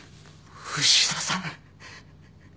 牛田さん。